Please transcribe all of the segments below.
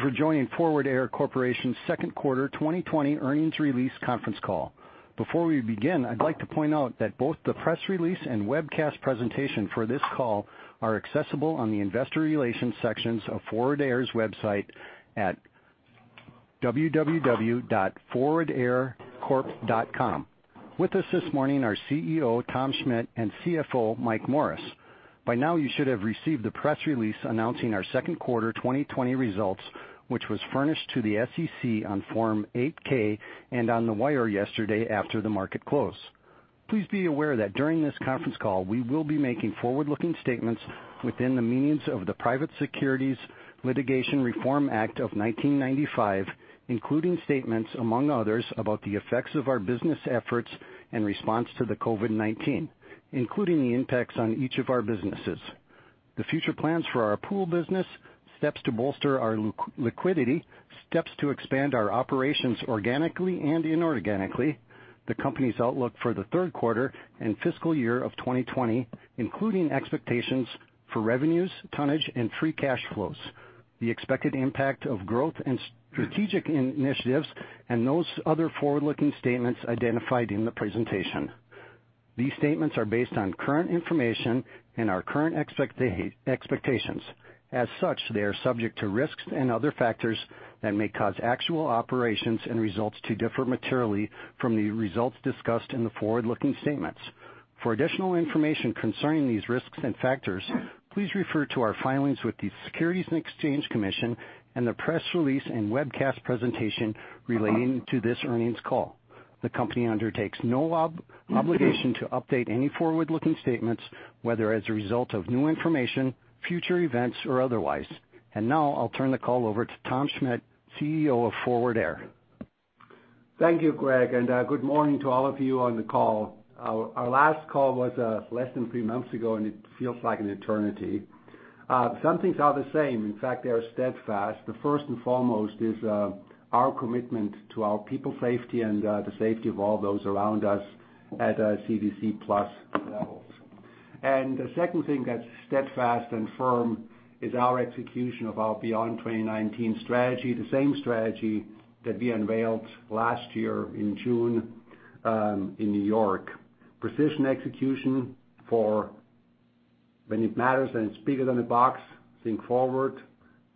Thank you for joining Forward Air Corporation's Q2 2020 earnings release conference call. Before we begin, I'd like to point out that both the press release and webcast presentation for this call are accessible on the investor relations sections of Forward Air's website at www.forwardaircorp.com. With us this morning are CEO, Tom Schmitt, and CFO, Michael Morris. By now, you should have received the press release announcing our Q2 2020 results, which was furnished to the SEC on Form 8-K and on the wire yesterday after the market close. Please be aware that during this conference call, we will be making forward-looking statements within the means of the Private Securities Litigation Reform Act of 1995, including statements, among others, about the effects of our business efforts in response to the COVID-19, including the impacts on each of our businesses, the future plans for our pool business, steps to bolster our liquidity, steps to expand our operations organically and inorganically, the company's outlook for the Q3 and fiscal year of 2020, including expectations for revenues, tonnage, and free cash flows, the expected impact of growth and strategic initiatives, and those other forward-looking statements identified in the presentation. These statements are based on current information and our current expectations. As such, they are subject to risks and other factors that may cause actual operations and results to differ materially from the results discussed in the forward-looking statements. For additional information concerning these risks and factors, please refer to our filings with the Securities and Exchange Commission and the press release and webcast presentation relating to this earnings call. The company undertakes no obligation to update any forward-looking statements, whether as a result of new information, future events, or otherwise. Now I'll turn the call over to Tom Schmitt, CEO of Forward Air. Thank you, Greg. Good morning to all of you on the call. Our last call was less than three months ago, and it feels like an eternity. Some things are the same. In fact, they are steadfast. The first and foremost is our commitment to our people safety and the safety of all those around us at CDC plus levels. The second thing that's steadfast and firm is our execution of our Beyond 2019 strategy, the same strategy that we unveiled last year in June, in New York. Precision execution for when it matters and it's bigger than a box, think forward.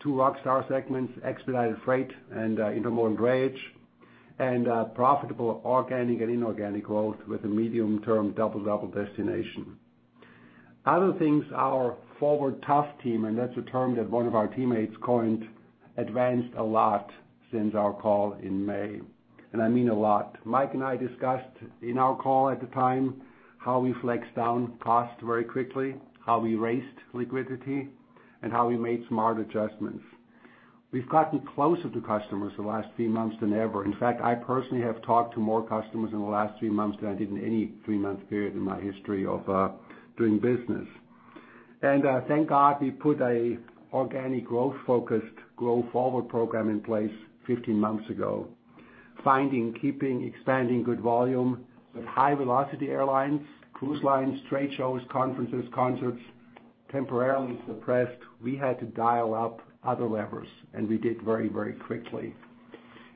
Two rockstar segments expedited freight and intermodal drayage, and profitable organic and inorganic growth with a medium-term double-double destination. Other things our Forward Tough team, and that's a term that one of our teammates coined, advanced a lot since our call in May, and I mean a lot. Mike and I discussed in our call at the time how we flexed down costs very quickly, how we raised liquidity, and how we made smart adjustments. We've gotten closer to customers the last three months than ever. In fact, I personally have talked to more customers in the last three months than I did in any three-month period in my history of doing business. Thank God we put an organic growth-focused Grow Forward program in place 15 months ago. Finding, keeping, expanding good volume with high-velocity airlines, cruise lines, trade shows, conferences, concerts temporarily suppressed. We had to dial up other levers, and we did very quickly.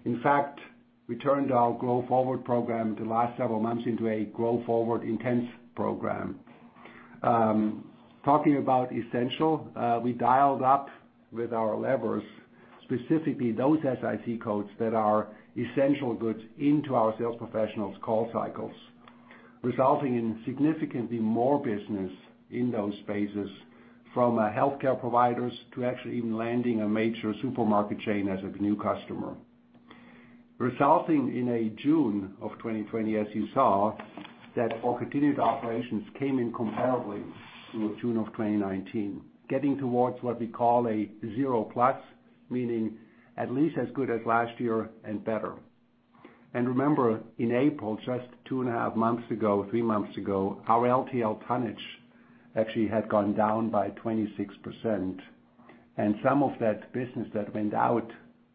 In fact, we turned our Grow Forward program the last several months into a Grow Forward Intense program. Talking about essential, we dialed up with our levers, specifically those SIC codes that are essential goods into our sales professionals call cycles, resulting in significantly more business in those spaces, from healthcare providers to actually even landing a major supermarket chain as a new customer. Resulting in a June of 2020, as you saw, that our continued operations came in comparably to June of 2019, getting towards what we call a zero plus, meaning at least as good as last year and better. Remember, in April, just two and a half months ago, three months ago, our LTL tonnage actually had gone down by 26%, and some of that business that went out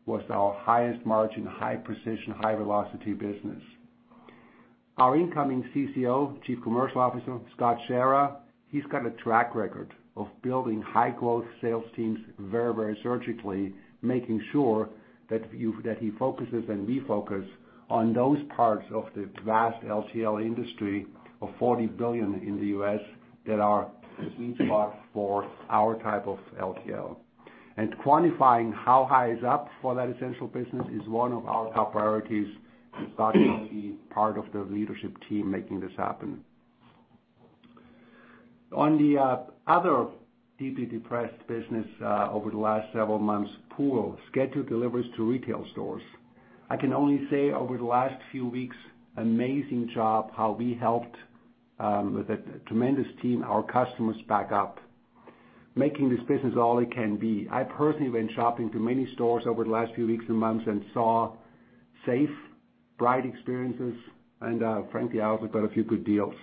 was our highest margin, high precision, high velocity business. Our incoming CCO, Chief Commercial Officer, Scott Schara, he's got a track record of building high-growth sales teams very surgically, making sure that he focuses and we focus on those parts of the vast LTL industry of $40 billion in the U.S. that are sweet spots for our type of LTL. Quantifying how high is up for that essential business is one of our top priorities, and Scott will be part of the leadership team making this happen. On the other deeply depressed business over the last several months, pool, scheduled deliveries to retail stores. I can only say over the last few weeks, amazing job how we helped with a tremendous team, our customers back up, making this business all it can be. I personally went shopping to many stores over the last few weeks and months and saw safe, bright experiences, and frankly, I also got a few good deals.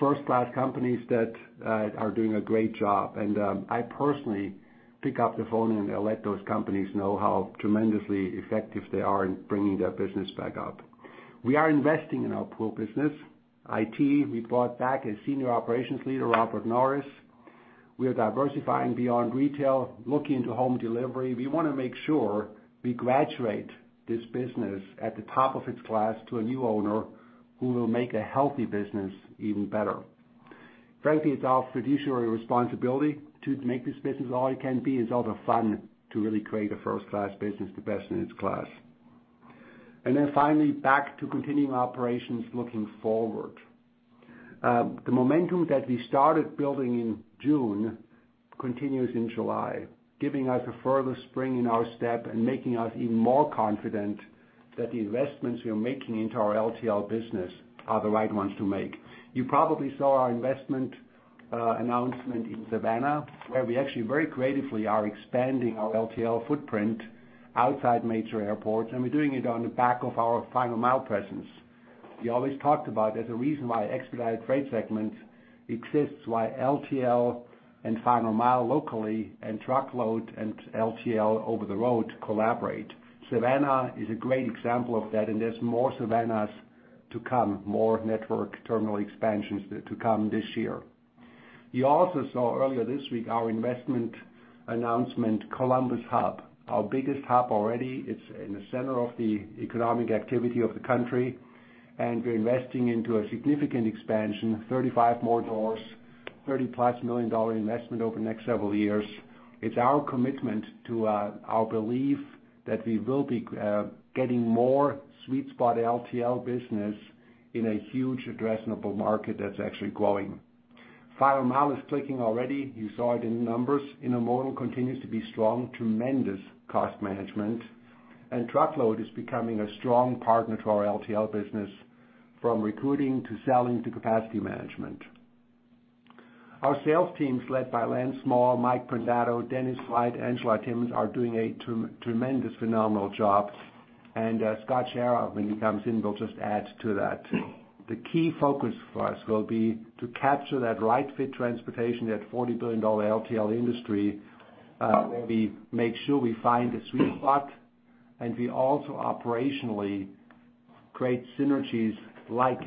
First-class companies that are doing a great job. I personally pick up the phone and let those companies know how tremendously effective they are in bringing their business back up. We are investing in our pool business. IT, we brought back a senior operations leader, Albert Norris. We are diversifying beyond retail, looking into home delivery. We want to make sure we graduate this business at the top of its class to a new owner who will make a healthy business even better. Frankly, it's our fiduciary responsibility to make this business all it can be. It's also fun to really create a first-class business, the best in its class. Finally, back to continuing operations looking forward. The momentum that we started building in June continues in July, giving us a further spring in our step and making us even more confident that the investments we are making into our LTL business are the right ones to make. You probably saw our investment announcement in Savannah, where we actually very creatively are expanding our LTL footprint outside major airports, and we're doing it on the back of our final mile presence. We always talked about there's a reason why expedited freight segment exists, why LTL and final mile locally and truckload and LTL over-the-road collaborate. Savannah is a great example of that, and there's more Savannahs to come, more network terminal expansions to come this year. You also saw earlier this week our investment announcement, Columbus hub, our biggest hub already. It's in the center of the economic activity of the country, and we're investing into a significant expansion, 35 more doors, $30-plus million investments over the next several years. It's our commitment to our belief that we will be getting more sweet spot LTL business in a huge addressable market that's actually growing. Final mile is clicking already. You saw it in the numbers. Intermodal continues to be strong. Tremendous cost management. Truckload is becoming a strong partner to our LTL business from recruiting to selling to capacity management. Our sales teams, led by Lance Small, Mike Prendato, Dennis Flydt, Angela Timmons, are doing a tremendous, phenomenal job. Scott Scharah, when he comes in, will just add to that. The key focus for us will be to capture that right fit transportation, that $40 billion LTL industry, where we make sure we find the sweet spot, and we also operationally create synergies like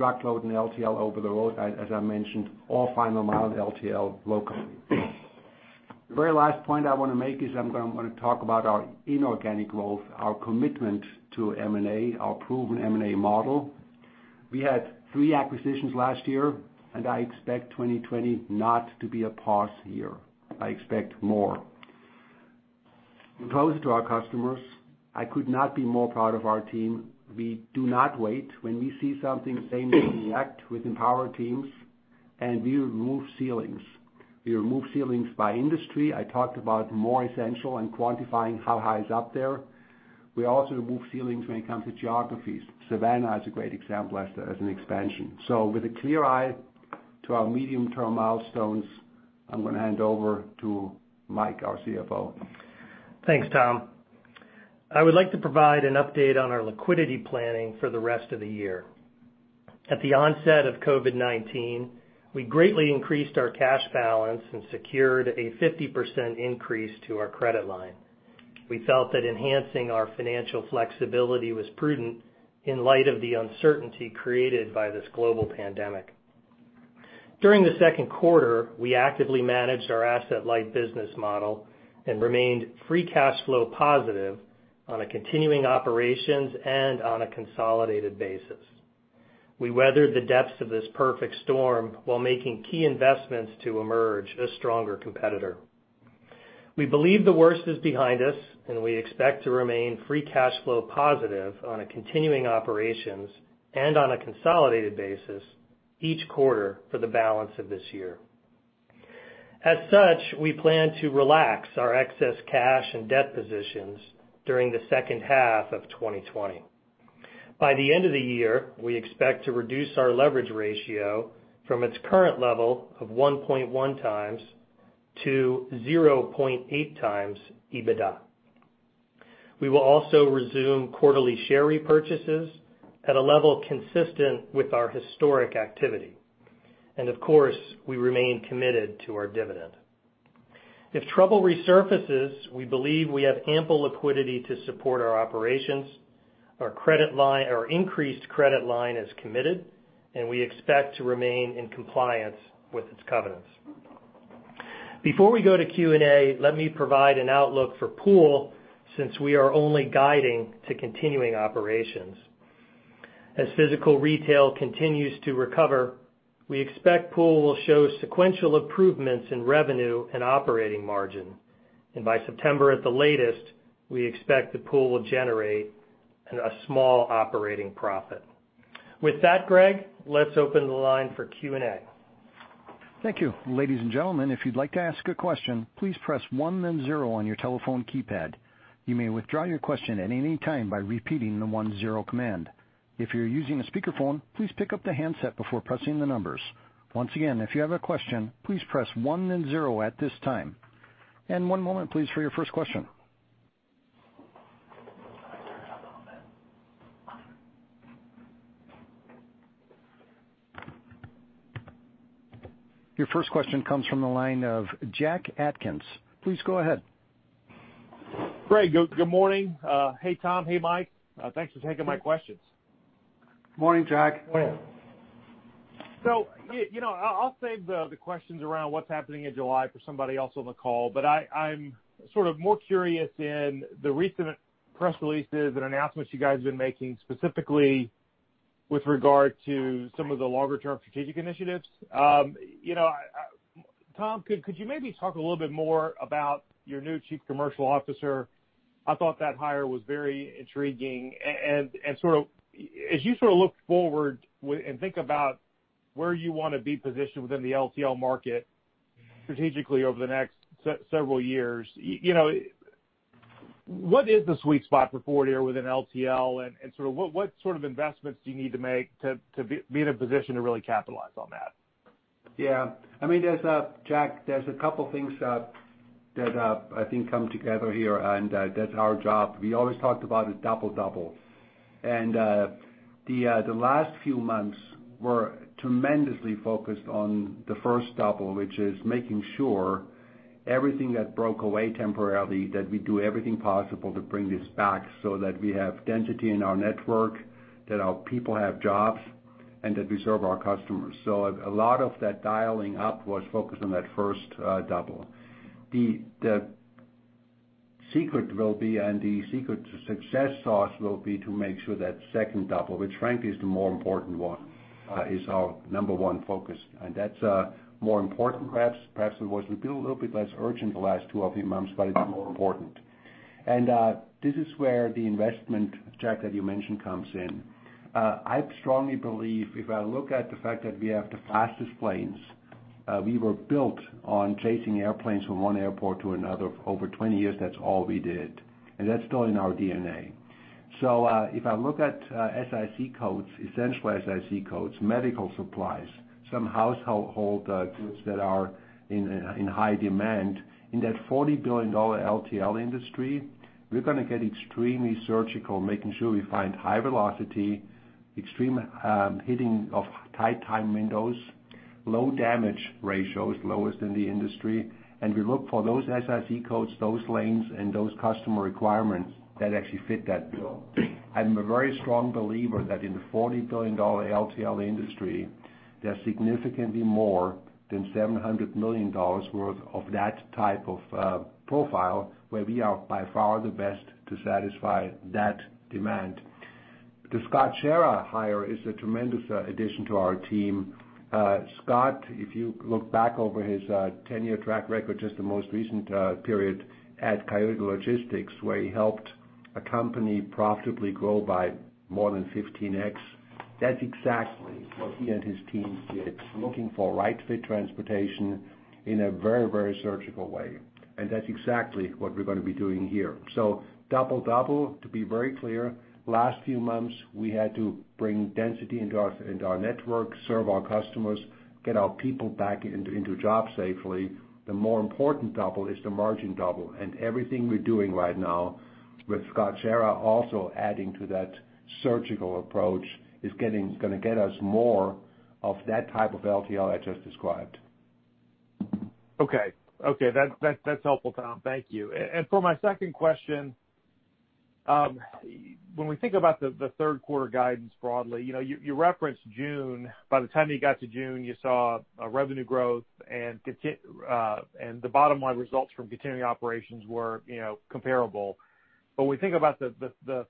truckload and LTL over the road, as I mentioned, or final mile LTL locally. The very last point I want to make is I want to talk about our inorganic growth, our commitment to M&A, our proven M&A model. We had three acquisitions last year, and I expect 2020 not to be a pause year. I expect more. In closing to our customers, I could not be prouder of our team. We do not wait. When we see something, same day we act within our teams, and we remove ceilings. We remove ceilings by industry. I talked about more essential and quantifying how high is up there. We also remove ceilings when it comes to geographies. Savannah is a great example as an expansion. With a clear eye to our medium-term milestones, I'm going to hand over to Mike, our CFO. Thanks, Tom. I would like to provide an update on our liquidity planning for the rest of the year. At the onset of COVID-19, we greatly increased our cash balance and secured a 50% increase to our credit line. We felt that enhancing our financial flexibility was prudent in light of the uncertainty created by this global pandemic. During the Q2, we actively managed our asset-light business model and remained free cash flow positive on a continuing operation and on a consolidated basis. We weathered the depths of this perfect storm while making key investments to emerge a stronger competitor. We believe the worst is behind us, and we expect to remain free cash flow positive on a continuing operation and on a consolidated basis each quarter for the balance of this year. As such, we plan to relax our excess cash and debt positions during the second half of 2020. By the end of the year, we expect to reduce our leverage ratio from its current level of 1.1 times to 0.8 times EBITDA. Of course, we remain committed to our dividend. If trouble resurfaces, we believe we have ample liquidity to support our operations. Our increased credit line is committed, and we expect to remain in compliance with its covenants. Before we go to Q&A, let me provide an outlook for pool, since we are only guiding to continuing operations. As physical retail continues to recover, we expect pool will show sequential improvements in revenue and operating margin. By September at the latest, we expect the pool will generate a small operating profit. With that, Greg, let's open the line for Q&A. Thank you. Ladies and gentlemen, if you'd like to ask a question, please press one then zero on your telephone keypad. You may withdraw your question at any time by repeating the one zero command. If you're using a speakerphone, please pick up the handset before pressing the numbers. Once again, if you have a question, please press one then zero at this time. One moment, please, for your first question. Your first question comes from the line of Jack Atkins. Please go ahead. Great. Good morning. Hey, Tom. Hey, Mike. Thanks for taking my questions. Morning, Jack. I'll save the questions around what's happening in July for somebody else on the call. I'm more curious in the recent press releases and announcements you guys have been making, specifically with regard to some of the longer-term strategic initiatives. Tom, could you maybe talk a little bit more about your new Chief Commercial Officer? I thought that hire was very intriguing, and as you look forward and think about where you want to be positioned within the LTL market strategically over the next several years, what is the sweet spot for Forward Air within LTL, and what sort of investments do you need to make to be in a position to really capitalize on that? Yeah. Jack, there's a couple things that I think come together here. That's our job. We always talked about a double, double. The last few months were tremendously focused on the first double, which is making sure everything that broke away temporarily, that we do everything possible to bring this back so that we have density in our network, that our people have jobs, and that we serve our customers. A lot of that dialing up was focused on that first double. The secret will be, and the secret to success sauce will be to make sure that second double, which frankly is the more important one, is our number one focus. That's more important perhaps than was. We've been a little bit less urgent the last two or three months, but it's more important. This is where the investment, Jack, that you mentioned, comes in. I strongly believe if I look at the fact that we have the fastest planes, we were built on chasing airplanes from one airport to another. For over 20 years, that's all we did. That's still in our DNA. If I look at SIC codes, essential SIC codes, medical supplies, some household goods that are in high demand. In that $40 billion LTL industry, we're going to get extremely surgical, making sure we find high velocity, extreme hitting of tight time windows, low damage ratios, lowest in the industry. We look for those SIC codes, those lanes, and those customer requirements that actually fit that bill. I'm a very strong believer that in the $40 billion LTL industry, there's significantly more than $700 million worth of that type of profile where we are by far the best to satisfy that demand. The Scott Sharrah hire is a tremendous addition to our team. Scott, if you look back over his 10-year track record, just the most recent period at Coyote Logistics, where he helped a company profitably grow by more than 15x, that's exactly what he and his team did. Looking for right-fit transportation in a very, very surgical way. That's exactly what we're going to be doing here. Double, double, to be very clear, last few months, we had to bring density into our network, serve our customers, get our people back into jobs safely. The more important double is the margin double. Everything we're doing right now with Scott Sharrah also adding to that surgical approach is going to get us more of that type of LTL I just described. Okay. That's helpful, Tom. Thank you. For my second question, when we think about the Q3 guidance broadly, you referenced June. By the time you got to June, you saw a revenue growth and the bottom-line results from continuing operations were comparable. When we think about the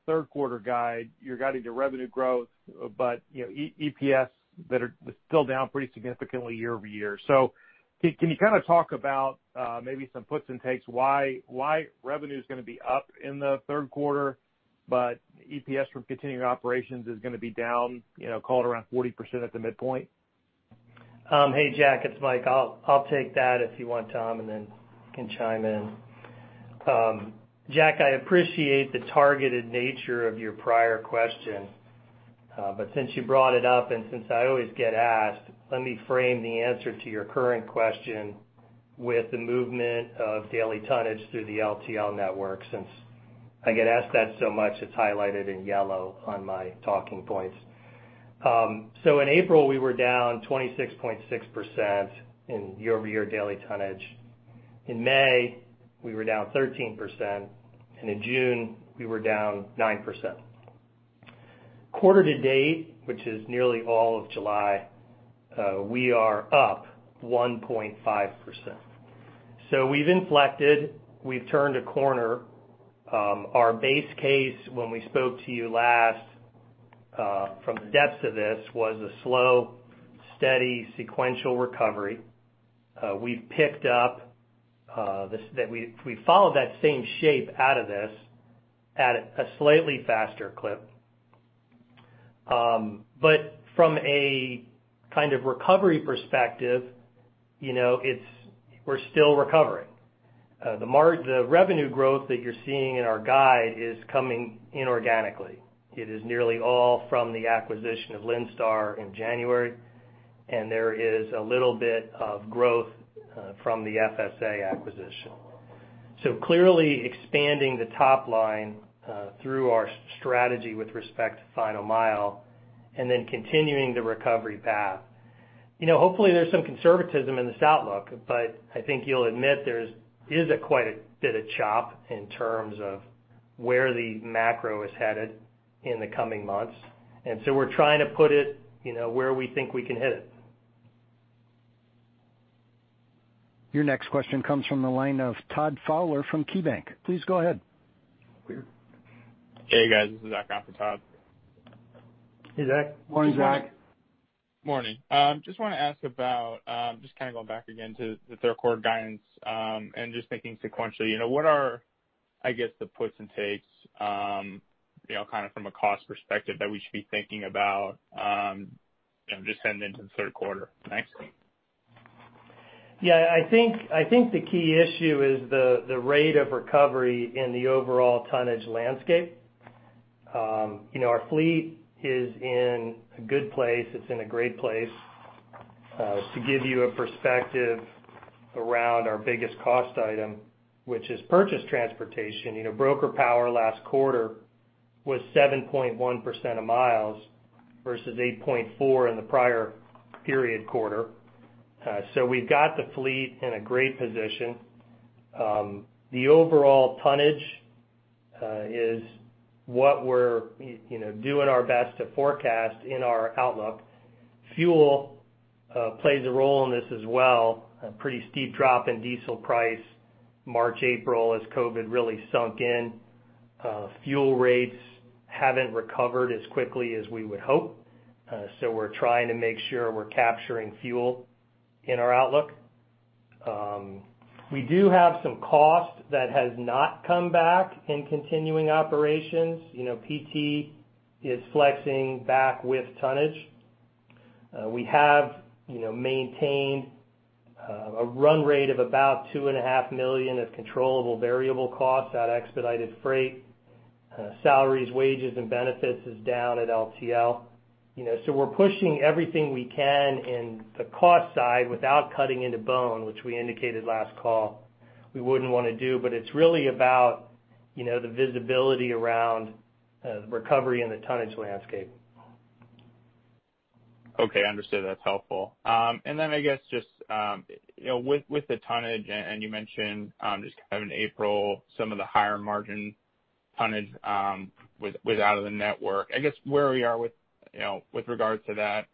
Q3 guide, you're guiding to revenue growth, but EPS that are still down pretty significantly year-over-year. Can you talk about maybe some puts and takes why revenue is going to be up in the Q3, but EPS from continuing operations is going to be down, called around 40% at the midpoint? Hey, Jack, it's Mike. I'll take that if you want, Tom. You can chime in. Jack, I appreciate the targeted nature of your prior question. Since you brought it up and since I always get asked, let me frame the answer to your current question with the movement of daily tonnage through the LTL network. Since I get asked that so much, it's highlighted in yellow on my talking points. In April, we were down 26.6% in year-over-year daily tonnage. In May, we were down 13%. In June, we were down 9%. Quarter to date, which is nearly all of July, we are up 1.5%. We've inflected; we've turned a corner. Our base case when we spoke to you last from the depths of this was a slow, steady, sequential recovery. We followed that same shape out of this at a slightly faster clip. From a kind of recovery perspective, we're still recovering. The revenue growth that you're seeing in our guide is coming inorganically. It is nearly all from the acquisition of Linn Star in January, and there is a little bit of growth from the FSA acquisition. Clearly expanding the top line through our strategy with respect to final mile, and then continuing the recovery path. Hopefully there's some conservatism in this outlook, but I think you'll admit there is quite a bit of chop in terms of where the macro is headed in the coming months. We're trying to put it where we think we can hit it. Your next question comes from the line of Todd Fowler from KeyBanc. Please go ahead. Hey, guys. This is Zach on for Todd. Hey, Zach. Morning, Zach. Morning, Zach. Morning. Just want to ask about, just going back again to the Q3 guidance, and just thinking sequentially. What are, I guess, the puts and takes from a cost perspective that we should be thinking about just heading into the Q3? Thanks. I think the key issue is the rate of recovery in the overall tonnage landscape. Our fleet is in a good place. It's in a great place. To give you a perspective around our biggest cost item, which is purchase transportation, broker power last quarter was 7.1% of miles versus 8.4% in the prior period quarter. We've got the fleet in a great position. The overall tonnage is what we're doing our best to forecast in our outlook. Fuel plays a role in this as well. A pretty steep drop in diesel price March, April, as COVID-19 really sunk in. Fuel rates haven't recovered as quickly as we would hope. We're trying to make sure we're capturing fuel in our outlook. We do have some cost that has not come back in continuing operations. PT is flexing back with tonnage. We have maintained a run rate of about $2.5 million of controllable variable costs at expedited freight. Salaries, wages, and benefits is down at LTL. We're pushing everything we can in the cost side without cutting into bone, which we indicated last call we wouldn't want to do. It's really about the visibility around the recovery in the tonnage landscape. Okay, understood. That's helpful. I guess just with the tonnage, you mentioned just kind of in April, some of the higher margin tonnage was out of the network. Where we are with regards to that,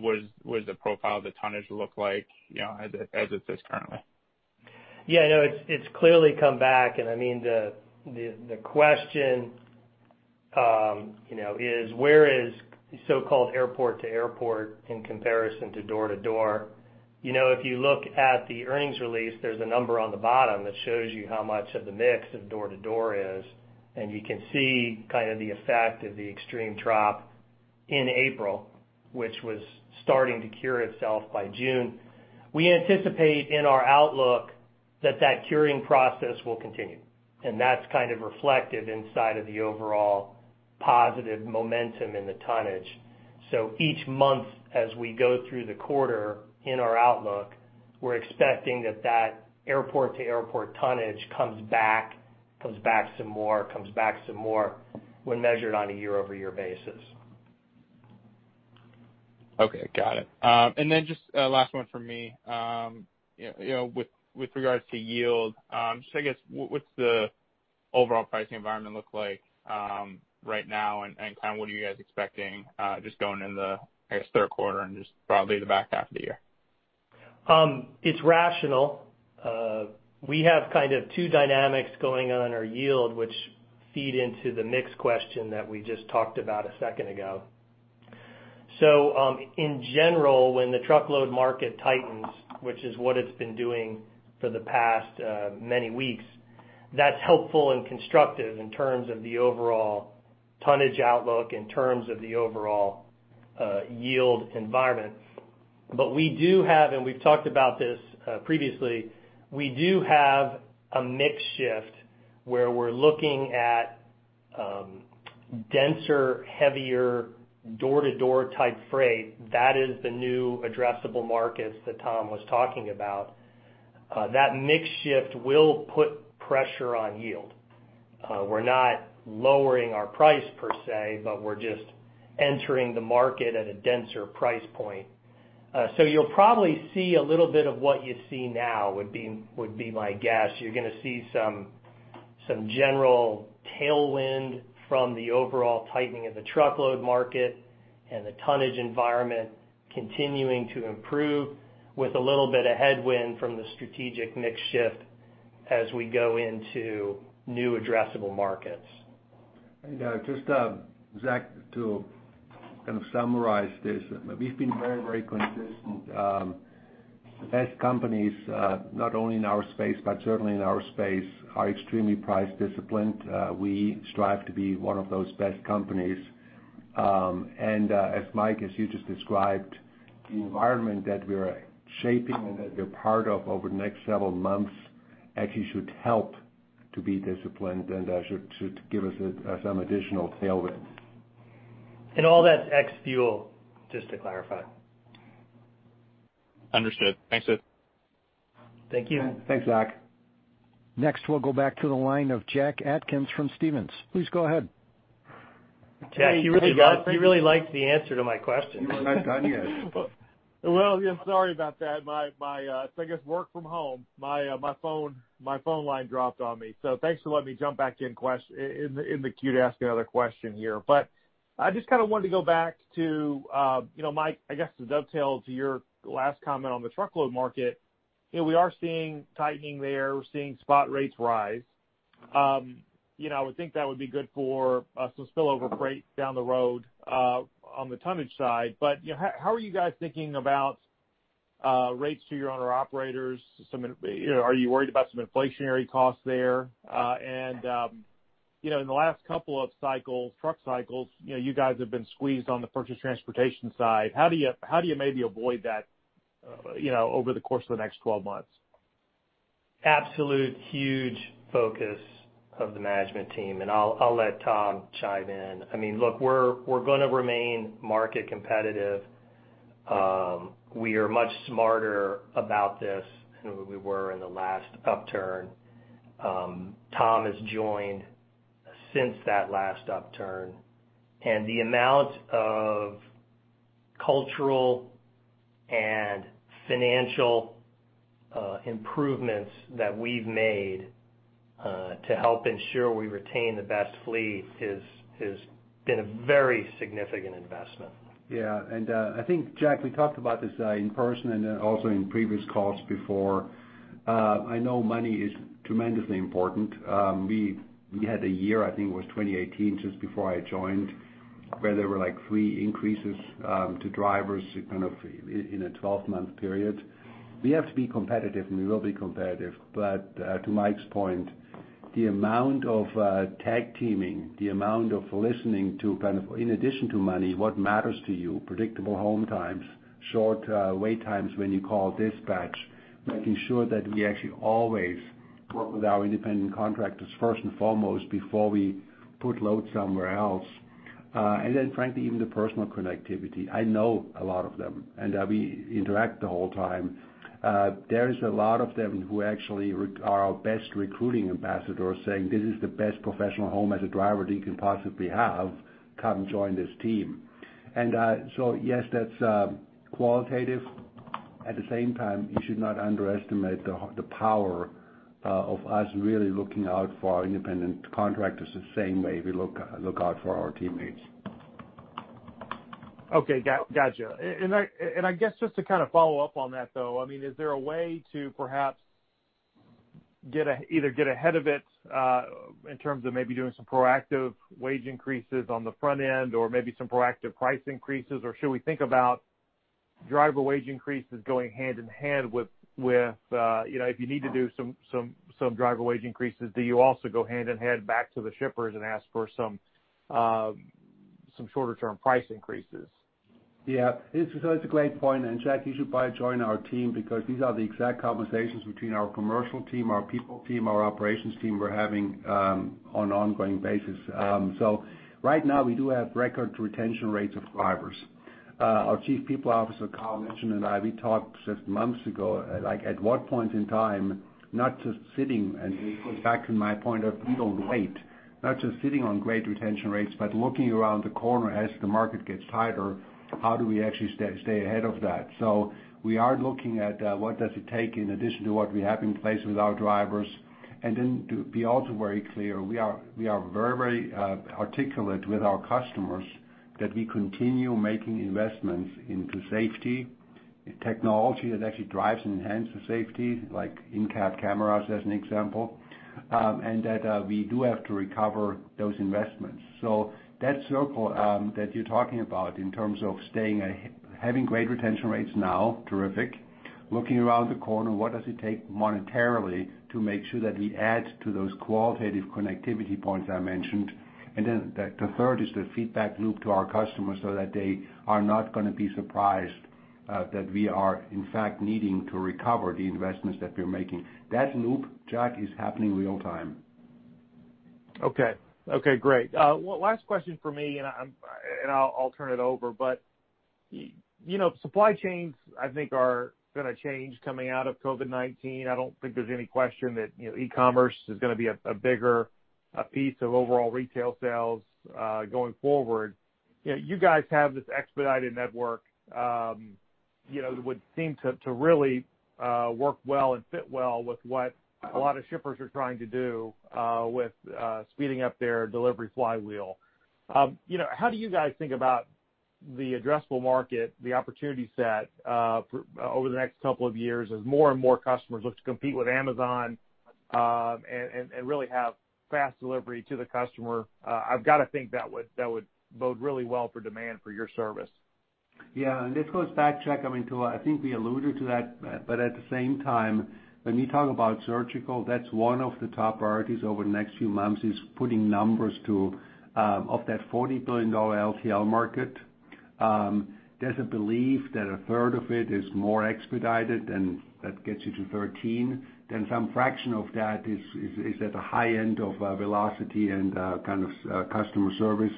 what does the profile of the tonnage look like as it sits currently? Yeah, no, it's clearly come back. I mean, the question is where is so-called airport-to-airport in comparison to door-to-door? If you look at the earnings release, there's a number on the bottom that shows you how much of the mix of door-to-door is, and you can see kind of the effect of the extreme drop in April, which was starting to cure itself by June. We anticipate in our outlook that that curing process will continue, and that's kind of reflected inside of the overall positive momentum in the tonnage. Each month as we go through the quarter in our outlook, we're expecting that that airport-to-airport tonnage comes back some more when measured on a year-over-year basis. Okay, got it. Then just last one from me. With regards to yield, just I guess, what's the overall pricing environment look like right now, and what are you guys expecting just going in the, I guess, Q3 and just broadly the back half of the year? It's rational. We have kind of two dynamics going on in our yield, which feed into the mix question that we just talked about a second ago. In general, when the truckload market tightens, which is what it's been doing for the past many weeks, that's helpful and constructive in terms of the overall tonnage outlook, in terms of the overall yield environment. We do have, and we've talked about this previously, we do have a mix shift where we're looking at denser, heavier door-to-door type freight. That is the new addressable markets that Tom was talking about. That mix shift will put pressure on yield. We're not lowering our price per se, but we're just entering the market at a denser price point. You'll probably see a little bit of what you see now would be my guess. You're going to see some general tailwind from the overall tightening of the truckload market and the tonnage environment continuing to improve with a little bit of headwind from the strategic mix shift as we go into new addressable markets. Just, Zach, to kind of summarize this, we've been very consistent. The best companies, not only in our space but certainly in our space, are extremely price disciplined. We strive to be one of those best companies. As Mike, as you just described, the environment that we are shaping and that you're part of over the next several months actually should help to be disciplined and should give us some additional tailwinds. All that's ex fuel, just to clarify. Understood. Thanks, team. Thank you. Thanks, Zach. Next, we'll go back to the line of Jack Atkins from Stephens. Please go ahead. Jack, he really liked the answer to my question. He's not done yet. Yeah, sorry about that. I guess work from home, my phone line dropped on me. Thanks for letting me jump back in the queue to ask another question here. I just wanted to go back to, Mike, I guess, to dovetail to your last comment on the truckload market. We are seeing tightening there. We're seeing spot rates rise. I would think that would be good for some spillover freight down the road, on the tonnage side. How are you guys thinking about rates to your owner-operators? Are you worried about some inflationary costs there? In the last couple of truck cycles, you guys have been squeezed on the purchase transportation side. How do you maybe avoid that over the course of the next 12 months? Absolute huge focus of the management team. I'll let Tom chime in. Look, we're going to remain market competitive. We are much smarter about this than we were in the last upturn. Tom has joined since that last upturn. The amount of cultural and financial improvements that we've made, to help ensure we retain the best fleet has been a very significant investment. Yeah. I think, Jack, we talked about this in person and then also in previous calls before. I know money is tremendously important. We had a year, I think it was 2018, just before I joined, where there were three increases to drivers in a 12-month period. We have to be competitive, and we will be competitive. To Mike's point, the amount of tag teaming, the amount of listening to, in addition to money, what matters to you, predictable home times, short wait times when you call dispatch, making sure that we actually always work with our independent contractors first and foremost before we put loads somewhere else. Frankly, even the personal connectivity. I know a lot of them, and we interact the whole time. There is a lot of them who actually are our best recruiting ambassadors, saying, "This is the best professional home as a driver that you can possibly have. Come join this team." Yes, that's qualitative. At the same time, you should not underestimate the power of us really looking out for our independent contractors the same way we look out for our teammates. Okay. Gotcha. I guess just to follow up on that, though. Is there a way to perhaps either get ahead of it, in terms of maybe doing some proactive wage increases on the front end or maybe some proactive price increases, or should we think about driver wage increases going hand in hand with, if you need to do some driver wage increases, do you also go hand in hand back to the shippers and ask for some shorter-term price increases? Yeah, it's a great point. Jack, you should probably join our team because these are the exact conversations between our commercial team, our people team, our operations team we're having on an ongoing basis. Right now we do have record retention rates of drivers. Our Chief People Officer, Kyle Mitchin and I, we talked just months ago, at what point in time, not just sitting, and going back to my point of we don't wait, not just sitting on great retention rates, but looking around the corner as the market gets tighter, how do we actually stay ahead of that. We are looking at what does it take in addition to what we have in place with our drivers. To be also very clear, we are very articulate with our customers that we continue making investments into safety, technology that actually drives and enhances safety, like in-cab cameras as an example. That we do have to recover those investments. That circle that you're talking about in terms of having great retention rates now, terrific. Looking around the corner, what does it take monetarily to make sure that we add to those qualitative connectivity points I mentioned? The third is the feedback loop to our customers so that they are not going to be surprised that we are in fact needing to recover the investments that we're making. That loop, Jack, is happening real time. Okay. Great. One last question from me, and I'll turn it over. Supply chains, I think are going to change coming out of COVID-19. I don't think there's any question that e-commerce is going to be a bigger piece of overall retail sales going forward. You guys have this expedited network, that would seem to really work well and fit well with what a lot of shippers are trying to do with speeding up their delivery flywheel. How do you guys think about the addressable market, the opportunity set, over the next couple of years as more and more customers look to compete with Amazon, and really have fast delivery to the customer? I've got to think that would bode really well for demand for your service. Yeah. This goes back, Jack Atkins, I think we alluded to that, but at the same time, when we talk about surgical, that's one of the top priorities over the next few months, is putting numbers of that $40 billion LTL market. There's a belief that a third of it is more expedited, and that gets you to 13. Some fraction of that is at the high end of velocity and customer service.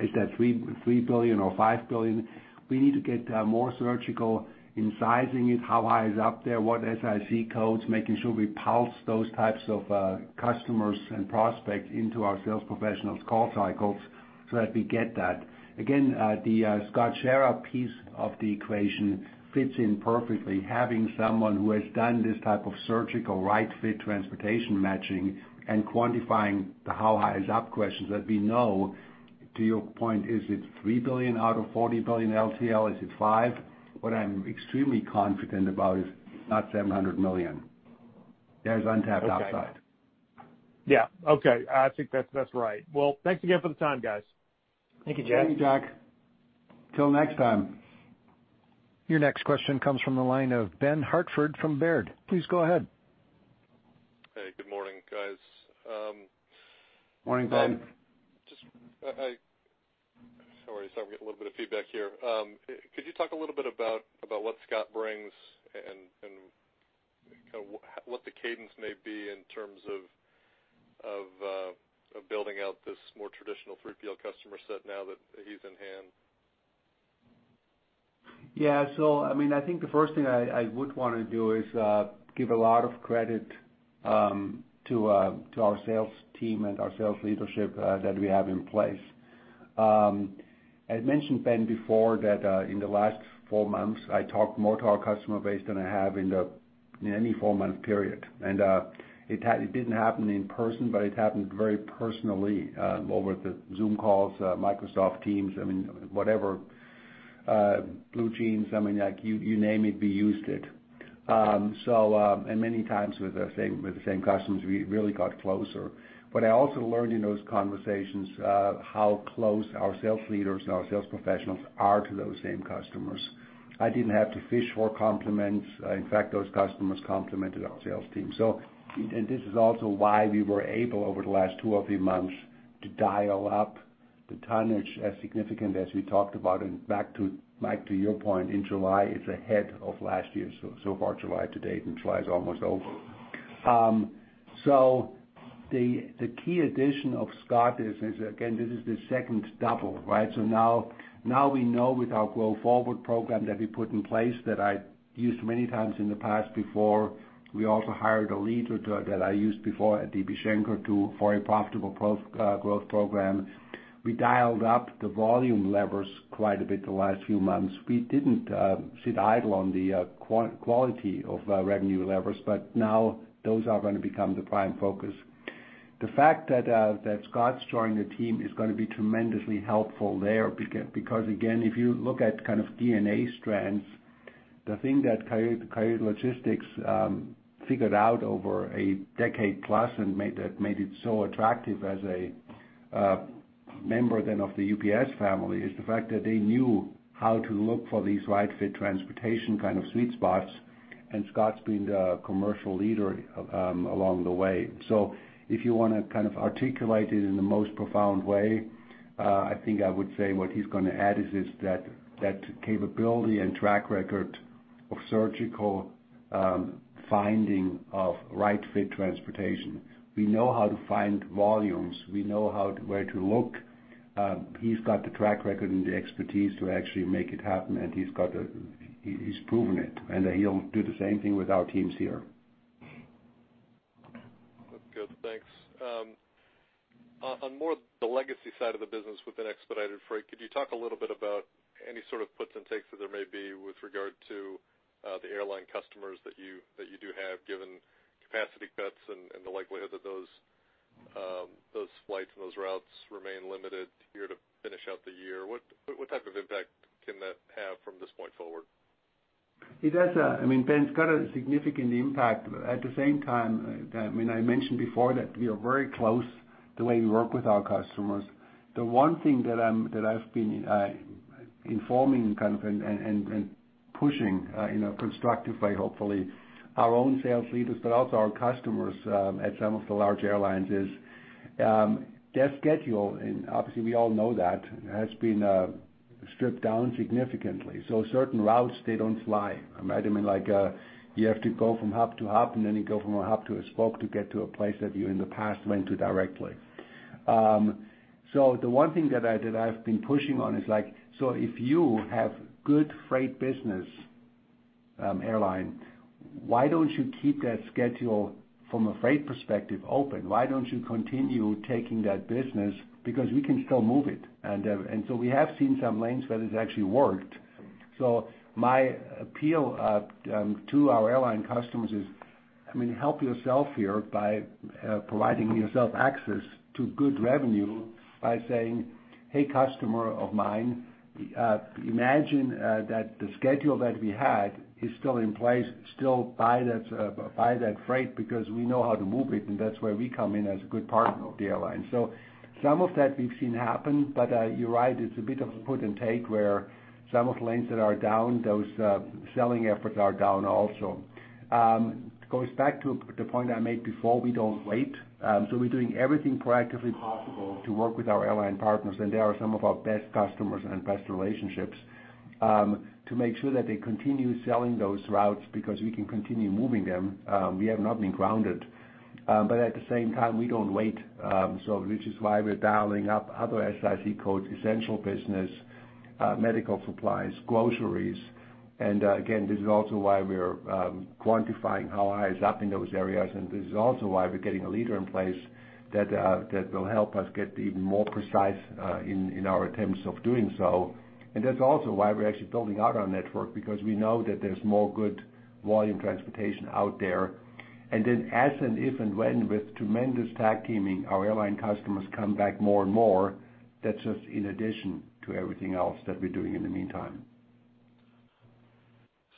Is that $3 billion or $5 billion? We need to get more surgical in sizing it, how high is up there, what SIC codes, making sure we pulse those types of customers and prospects into our sales professionals' call cycles so that we get that. Again, the Scott Sharrah piece of the equation fits in perfectly. Having someone who has done this type of surgical right fit transportation matching and quantifying the how high is up questions that we know, to your point, is it $3 billion out of $40 billion LTL? Is it $5? What I'm extremely confident about is not $700 million. There's untapped upside. Yeah. Okay. I think that's right. Well, thanks again for the time, guys. Thank you, Jack. Thank you, Jack. Till next time. Your next question comes from the line of Benjamin Hartford from Baird. Please go ahead. Hey. Good morning, guys. Morning, Ben. Sorry, I'm getting a little bit of feedback here. Could you talk a little bit about what Scott brings, and what the cadence may be in terms of building out this more traditional 3PL customer set now that he's in hand? Yeah. I think the first thing I would want to do is give a lot of credit to our sales team and our sales leadership that we have in place. I had mentioned, Ben, before that in the last four months, I talked more to our customer base than I have in any four-month period. It didn't happen in person, but it happened very personally over the Zoom calls, Microsoft Teams, whatever, BlueJeans. You name it, we used it. Many times with the same customers, we really got closer. I also learned in those conversations how close our sales leaders and our sales professionals are to those same customers. I didn't have to fish for compliments. In fact, those customers complimented our sales team. This is also why we were able, over the last two or three months, to dial up the tonnage as significant as we talked about. Back to your point, in July, it's ahead of last year so far, July to date, and July's almost over. The key addition of Scott is, again, this is the second double, right? Now we know with our Grow Forward program that we put in place that I used many times in the past before. We also hired a leader that I used before at DB Schenker for a profitable growth program. We dialed up the volume levers quite a bit the last few months. We didn't sit idle on the quality of revenue levers, but now those are going to become the prime focus. The fact that Scott's joining the team is going to be tremendously helpful there, because again, if you look at DNA strands, the thing that Coyote Logistics figured out over a decade plus, and made it so attractive as a member then of the UPS family, is the fact that they knew how to look for these right fit transportation kind of sweet spots, and Scott's been the commercial leader along the way. If you want to articulate it in the most profound way, I think I would say what he's going to add is that capability and track record of surgical finding of right fit transportation. We know how to find volumes. We know where to look. He's got the track record and the expertise to actually make it happen, and he's proven it, and he'll do the same thing with our teams here. That's good. Thanks. On more the legacy side of the business within expedited freight, could you talk a little bit about any sort of puts and takes that there may be with regard to the airline customers that you do have, given capacity cuts and the likelihood that those flights and those routes remain limited here to finish out the year? What type of impact can that have from this point forward? It has, Ben, quite a significant impact. At the same time, I mentioned before that we are very close the way we work with our customers. The one thing that I've been informing and pushing in a constructive way, hopefully, our own sales leaders, but also our customers at some of the large airlines is their schedule. Obviously we all know that has been stripped down significantly. Certain routes, they don't fly. You have to go from hub to hub, and then you go from a hub to a spoke to get to a place that you, in the past, went to directly. The one thing that I've been pushing on is, so if you have good freight business, airline, why don't you keep that schedule from a freight perspective open? Why don't you continue taking that business? Because we can still move it. We have seen some lanes where it's actually worked. My appeal to our airline customers is help yourself here by providing yourself access to good revenue by saying, "Hey, customer of mine, imagine that the schedule that we had is still in place." Still buy that freight because we know how to move it. That's where we come in as a good partner of the airline. Some of that we've seen happen, but you're right, it's a bit of a put and take where some of the lanes that are down, those selling efforts are down also. Goes back to the point I made before, we don't wait. We're doing everything proactively possible to work with our airline partners, and they are some of our best customers and best relationships to make sure that they continue selling those routes because we can continue moving them. We have not been grounded. At the same time, we don't wait, which is why we're dialing up other SIC codes, essential business, medical supplies, groceries. Again, this is also why we're quantifying how high is up in those areas, this is also why we're getting a leader in place that will help us get even more precise in our attempts of doing so. That's also why we're actually building out our network, because we know that there's more good volume transportation out there. Then as, if, when, with tremendous tack teaming, our airline customers come back more and more. That's just in addition to everything else that we're doing in the meantime.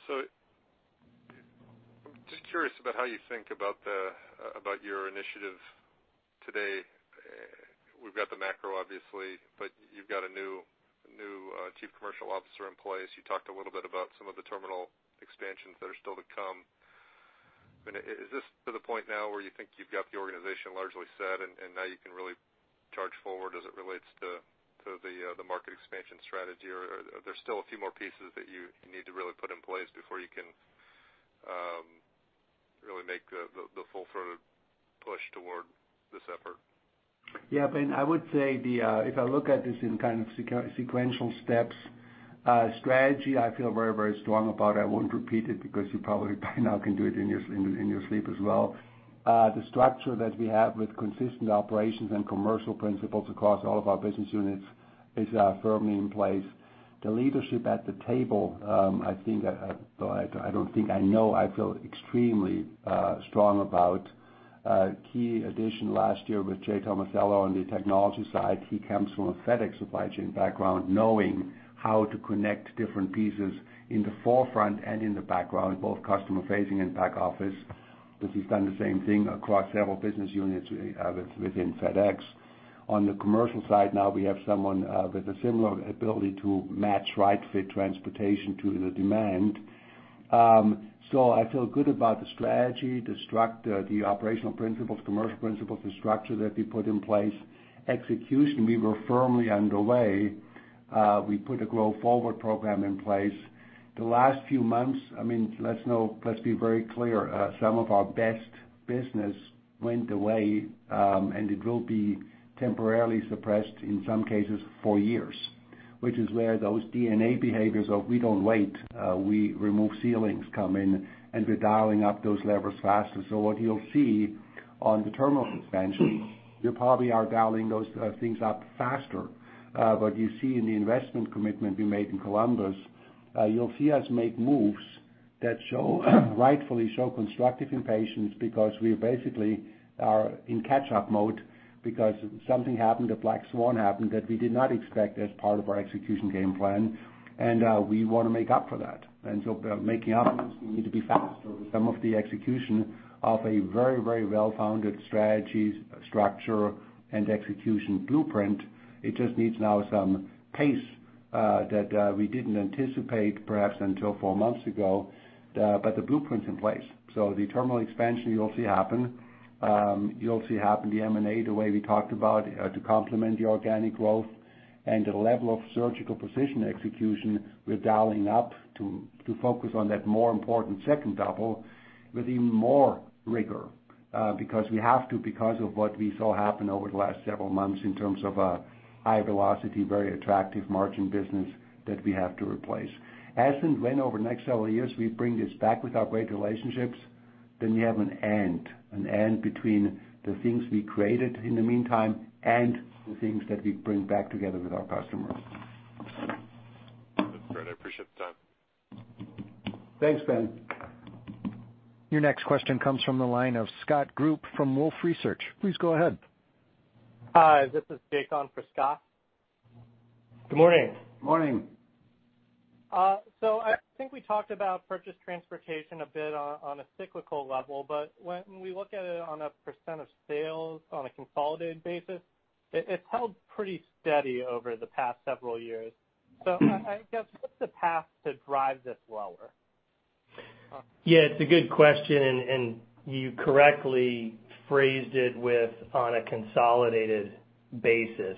I'm just curious about how you think about your initiative today. We've got the macro, obviously, but you've got a new Chief Commercial Officer in place. You talked a little bit about some of the terminal expansions that are still to come. Is this to the point now where you think you've got the organization largely set and now you can really charge forward as it relates to the market expansion strategy? Or are there still a few more pieces that you need to really put in place before you can really make the full-throated push toward this effort? Yeah, Ben, I would say if I look at this in sequential steps, strategy, I feel very, very strong about. I won't repeat it because you probably by now can do it in your sleep as well. The structure that we have with consistent operations and commercial principles across all of our business units is firmly in place. The leadership at the table, I know I feel extremely strong about. Key addition last year with Jay Tomasello on the technology side. He comes from a FedEx supply chain background, knowing how to connect different pieces in the forefront and in the background, both customer facing and back office, because he's done the same thing across several business units within FedEx. On the commercial side, now we have someone with a similar ability to match right fit transportation to the demand. I feel good about the strategy, the operational principles, commercial principles, the structure that we put in place. Execution, we were firmly underway. We put a Grow Forward program in place. The last few months, let's be very clear, some of our best business went away, and it will be temporarily suppressed in some cases for years. Which is where those DNA behaviors of we don't wait, we remove ceilings, come in, and we're dialing up those levers faster. What you'll see on the terminal expansion, we probably are dialing those things up faster. You see in the investment commitment we made in Columbus, you'll see us make moves that rightfully show constructive impatience because we basically are in catch up mode because something happened, a black swan happened that we did not expect as part of our execution game plan, and we want to make up for that. Making up means we need to be faster with some of the execution of a very, very well-founded strategies, structure, and execution blueprint. It just needs now some pace that we didn't anticipate perhaps until four months ago, but the blueprints in place. The terminal expansion, you'll see happen. You'll see happen the M&A, the way we talked about to complement the organic growth. The level of surgical precision execution we're dialing up to focus on that more important second double with even more rigor. Because we have to because of what we saw happen over the last several months in terms of a high velocity, very attractive margin business that we have to replace. As and when over the next several years, we bring this back with our great relationships, then we have an and. An and between the things we created in the meantime and the things that we bring back together with our customers. That's great. I appreciate the time. Thanks, Ben. Your next question comes from the line of Scott Group from TD Cowen. Please go ahead. Hi, this is Jason for Scott. Good morning. Morning. I think we talked about purchase transportation a bit on a cyclical level, but when we look at it on a percent of sales on a consolidated basis, it's held pretty steady over the past several years. I guess, what's the path to drive this lower? Yeah, it's a good question, and you correctly phrased it with on a consolidated basis.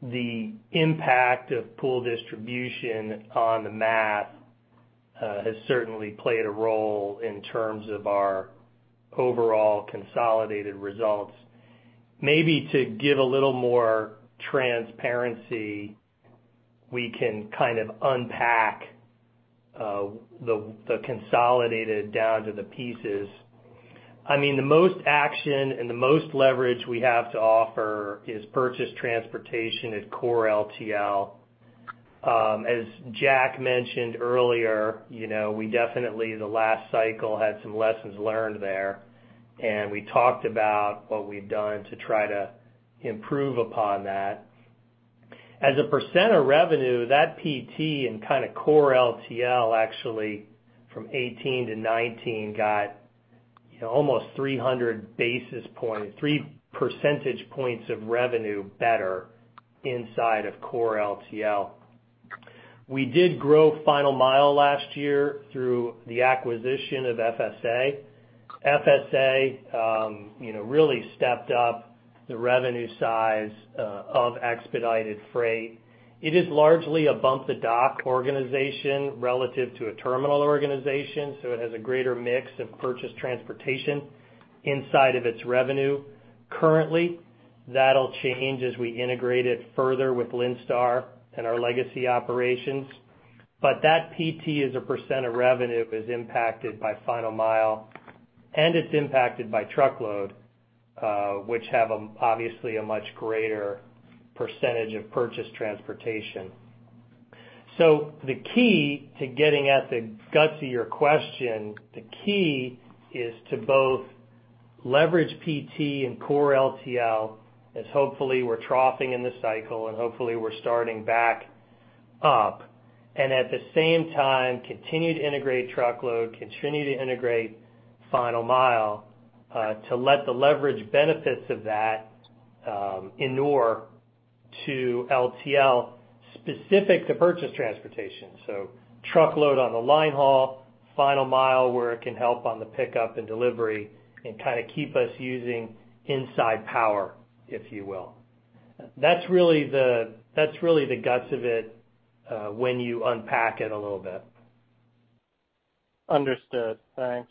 The impact of pool distribution on the math has certainly played a role in terms of our overall consolidated results. Maybe to give a little more transparency, we can unpack the consolidated down to the pieces. The most action and the most leverage we have to offer is purchase transportation at core LTL. As Jack mentioned earlier, we definitely, the last cycle, had some lessons learned there, and we talked about what we've done to try to improve upon that. As a % of revenue, that PT and kind of core LTL actually from 2018 to 2019 got almost 300 basis point, 3 percentage points of revenue better inside of core LTL. We did grow final mile last year through the acquisition of FSA. FSA really stepped up the revenue size of expedited freight. It is largely a bump-the-dock organization relative to a terminal organization, so it has a greater mix of purchased transportation inside of its revenue currently. That'll change as we integrate it further with Linn Star and our legacy operations. That PT as a % of revenue is impacted by final mile, and it's impacted by truckload, which have obviously a much greater % of purchased transportation. The key to getting at the guts of your question, the key is to both leverage PT and core LTL, as hopefully we're troughing in the cycle and hopefully we're starting back up. At the same time, continue to integrate truckload, continue to integrate final mile, to let the leverage benefits of that inure to LTL specific to purchased transportation. Truckload on the line haul, final mile where it can help on the pickup and delivery, and keep us using inside power, if you will. That's really the guts of it when you unpack it a little bit. Understood. Thanks.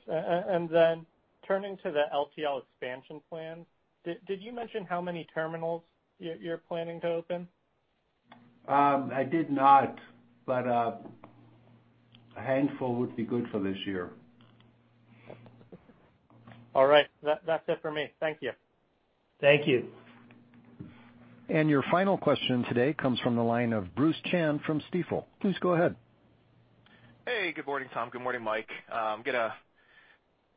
Turning to the LTL expansion plan, did you mention how many terminals you're planning to open? I did not, but a handful would be good for this year. All right. That's it for me. Thank you. Thank you. Your final question today comes from the line of Bruce Chan from Stifel. Please go ahead. Hey, good morning, Tom. Good morning, Mike. I'm going to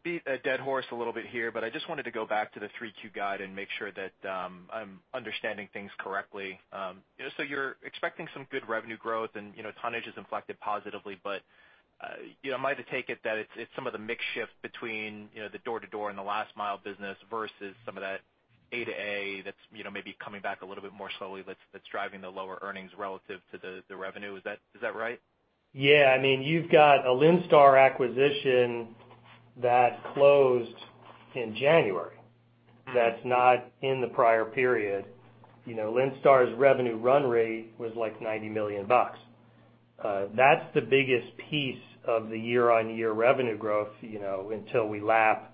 beat a dead horse a little bit here. I just wanted to go back to the 3Q guide and make sure that I'm understanding things correctly. You're expecting some good revenue growth and tonnage has inflected positively, but am I to take it that it's some of the mix shift between the door-to-door and the last mile business versus some of that A-to-A that's maybe coming back a little bit more slowly that's driving the lower earnings relative to the revenue? Is that right? Yeah. You've got a Linn Star acquisition that closed in January. That's not in the prior period. Linn Star's revenue run rate was like $90 million. That's the biggest piece of the year-on-year revenue growth, until we lap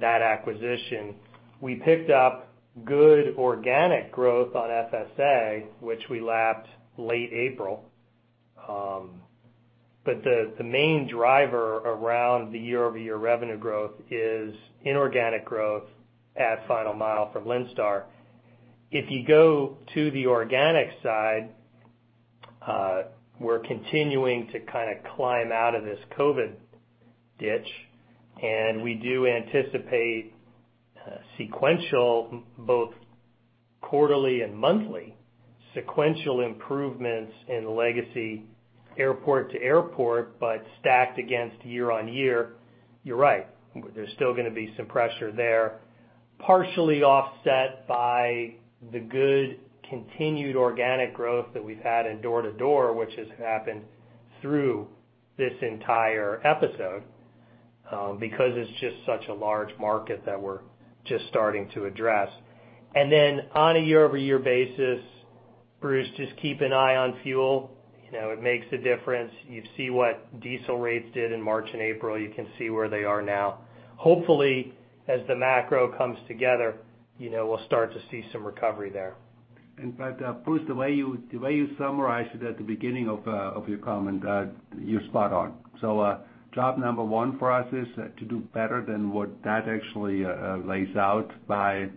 that acquisition. We picked up good organic growth on FSA, which we lapped late April. The main driver around the year-over-year revenue growth is inorganic growth at final mile from Linn Star. If you go to the organic side, we're continuing to climb out of this COVID ditch, and we do anticipate sequential, both quarterly and monthly, sequential improvements in legacy airport-to-airport, but stacked against year-on-year, you're right. There's still going to be some pressure there, partially offset by the good continued organic growth that we've had in door to door, which has happened through this entire episode because it's just such a large market that we're just starting to address. On a year-over-year basis, Bruce, just keep an eye on fuel. It makes a difference. You see what diesel rates did in March and April. You can see where they are now. Hopefully, as the macro comes together, we'll start to see some recovery there. Bruce, the way you summarized it at the beginning of your comment, you're spot on. Job number one for us is to do better than what that actually lays out by,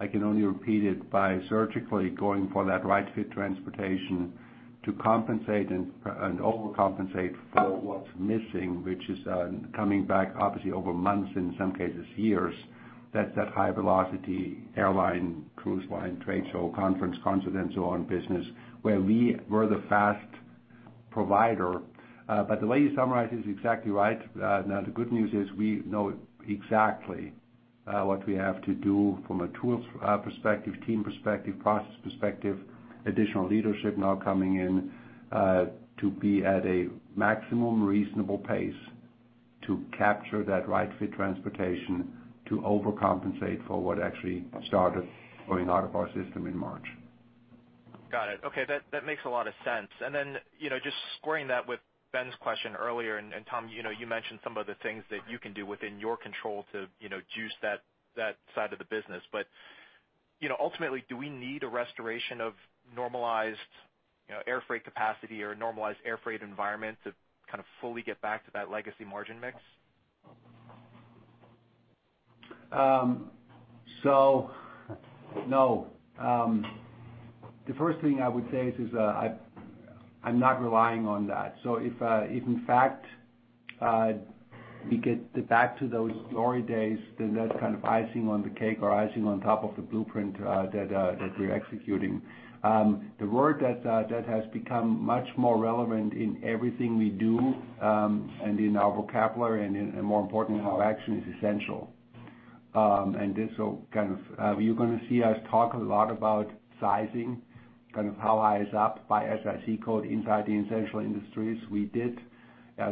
I can only repeat it, by surgically going for that right-fit transportation to compensate and overcompensate for what's missing, which is coming back obviously over months, in some cases years, that high velocity airline, cruise line, trade show, conference, concert, and so on business where we were the fast provider. The way you summarized it is exactly right. The good news is we know exactly what we have to do from a tools perspective, team perspective, process perspective, additional leadership now coming in to be at a maximum reasonable pace to capture that right-fit transportation to overcompensate for what actually started going out of our system in March. Got it. Okay. That makes a lot of sense. Then, just squaring that with Ben's question earlier, and Tom, you mentioned some of the things that you can do within your control to juice that side of the business. Ultimately, do we need a restoration of normalized air freight capacity or normalized air freight environment to fully get back to that legacy margin mix? No. The first thing I would say is, I'm not relying on that. If in fact, we get back to those glory days, then that's kind of icing on the cake or icing on top of the blueprint that we're executing. The word that has become much more relevant in everything we do, and in our vocabulary, and more important in our action, is essential. You're going to see us talk a lot about sizing, kind of how high is up by SIC code inside the essential industries. We did.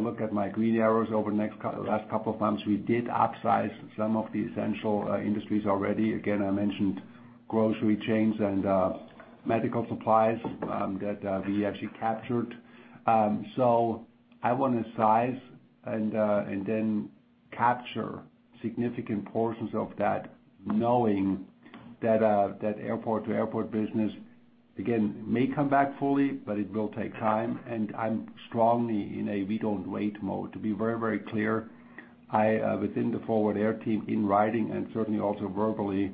Look at my green arrows over the last couple of months, we did upsize some of the essential industries already. Again, I mentioned grocery chains and medical supplies that we actually captured. I want to size and then capture significant portions of that, knowing that airport-to-airport business, again, may come back fully, but it will take time, and I'm strongly in a we-don't-wait mode. To be very clear, within the Forward Air team, in writing and certainly also verbally,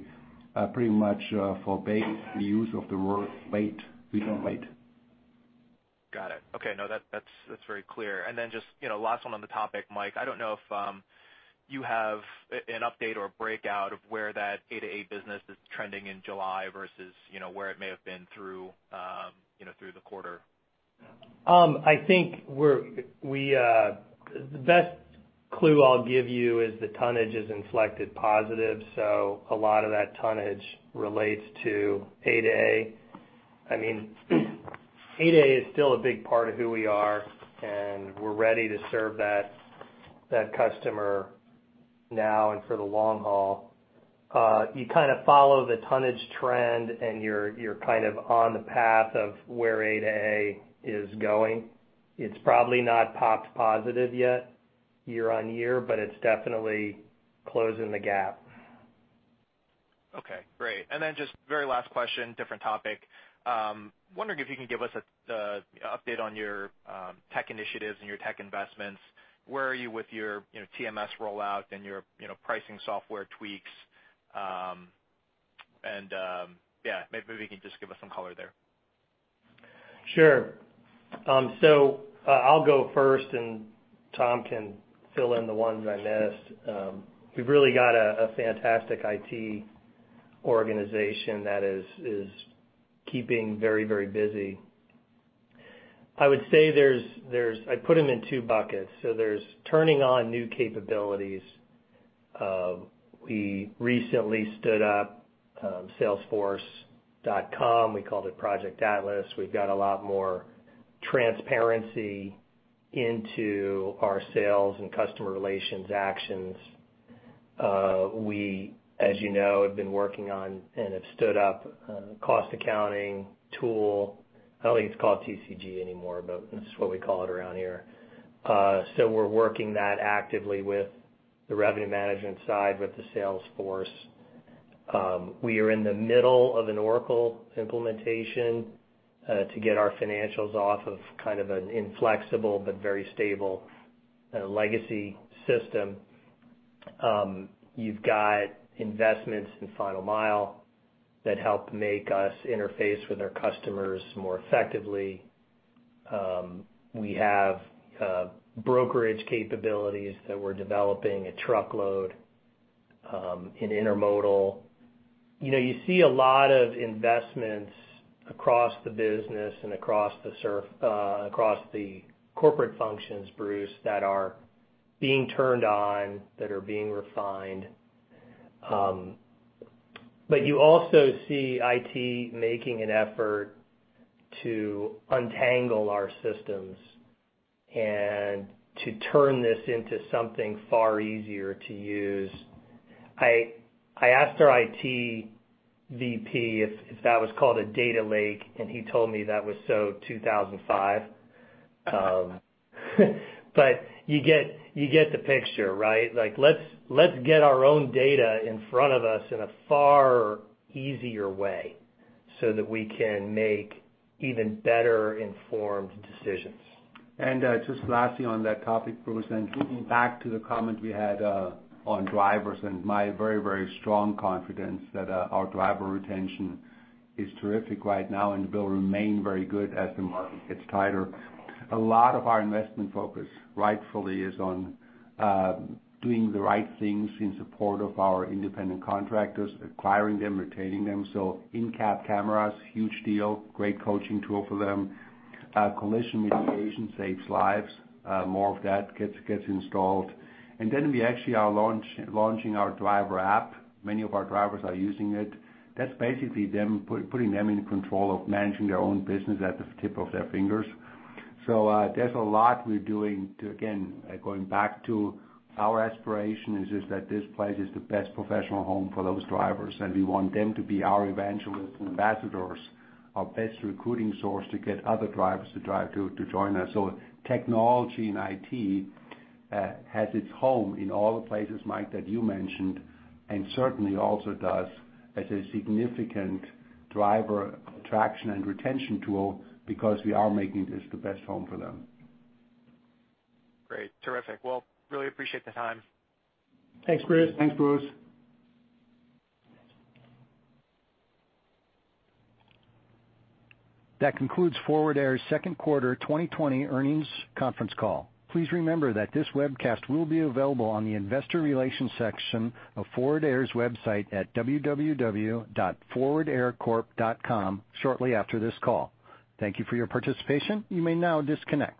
pretty much forbade the use of the word wait. We don't wait. Got it. Okay. No, that's very clear. Just last one on the topic, Mike, I don't know if you have an update or a breakout of where that A-to-A business is trending in July versus where it may have been through the quarter? I think the best clue I'll give you is the tonnage is inflected positive. A lot of that tonnage relates to A-to-A. A-to-A is still a big part of who we are, and we're ready to serve that customer now and for the long haul. You kind of follow the tonnage trend, and you're kind of on the path of where A-to-A is going. It's probably not popped positive yet year-over-year, but it's definitely closing the gap. Okay, great. Just very last question, different topic. Wondering if you can give us an update on your tech initiatives and your tech investments. Where are you with your TMS rollout and your pricing software tweaks? Maybe you can just give us some color there. Sure. I'll go first, and Tom can fill in the ones I miss. We've really got a fantastic IT organization that is keeping very busy. I would say I put them in two buckets. There's turning on new capabilities. We recently stood up Salesforce. We called it Project Atlas. We've got a lot more transparency into our sales and customer relations actions. We, as you know, have been working on and have stood up a cost accounting tool. I don't think it's called TCG anymore, but that's what we call it around here. We're working that actively with the revenue management side, with the sales force. We are in the middle of an Oracle implementation to get our financials off of kind of an inflexible but very stable legacy system. You've got investments in final mile that help make us interface with our customers more effectively. We have brokerage capabilities that we're developing, a truckload in intermodal. You see a lot of investments across the business and across the corporate functions, Bruce, that are being turned on, that are being refined. You also see IT making an effort to untangle our systems and to turn this into something far easier to use. I asked our IT VP if that was called a data lake, and he told me that was so 2005. You get the picture, right? Let's get our own data in front of us in a far easier way so that we can make even better-informed decisions. Just lastly on that topic, Bruce, and looping back to the comment we had on drivers and my very strong confidence that our driver retention is terrific right now and will remain very good as the market gets tighter. A lot of our investment focus, rightfully, is on doing the right things in support of our independent contractors, acquiring them, retaining them. In-cab cameras, huge deal. Great coaching tool for them. Collision mitigation saves lives. More of that gets installed. We actually are launching our driver app. Many of our drivers are using it. That's basically putting them in control of managing their own business at the tip of their fingers. There's a lot we're doing to, again, going back to our aspiration is just that this place is the best professional home for those drivers, and we want them to be our evangelists and ambassadors, our best recruiting source to get other drivers to join us. Technology and IT has its home in all the places, Mike, that you mentioned, and certainly also does as a significant driver attraction and retention tool because we are making this the best home for them. Great, terrific. Well, really appreciate the time. Thanks, Bruce. Thanks, Bruce. That concludes Forward Air's Q2, 2020 earnings conference call. Please remember that this webcast will be available on the investor relations section of Forward Air's website at www.forwardaircorp.com shortly after this call. Thank you for your participation. You may now disconnect.